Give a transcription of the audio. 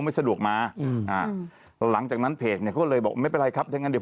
ไม่สะดวกมาอืมอ่าหลังจากนั้นเพจเนี่ยเขาก็เลยบอกไม่เป็นไรครับถ้างั้นเดี๋ยว